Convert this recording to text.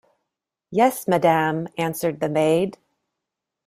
"Yes, madame," answered the maid.